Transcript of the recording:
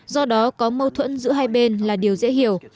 do đó có mâu thuẫn giữa hai bên là điều dễ hiểu